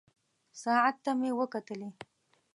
ساعت ته مې وکتلې.